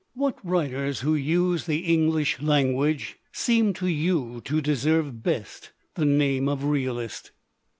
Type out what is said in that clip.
"What writers who use the English language seem to you to deserve best the name of realist?"